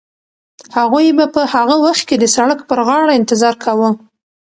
هغوی به په هغه وخت کې د سړک پر غاړه انتظار کاوه.